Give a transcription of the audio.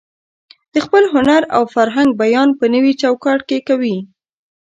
د خپل هنر او فرهنګ بیان په نوي چوکاټ کې کوي.